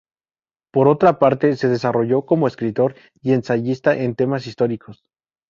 Por otra parte, se desarrolló como escritor y ensayista en temas históricos.